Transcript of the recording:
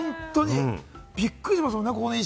びっくりしますよね。